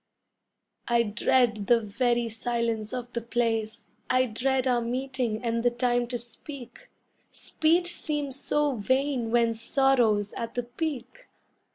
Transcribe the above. I dread the very silence of the place, I dread our meeting and the time to speak Speech seems so vain when sorrow's at the peak!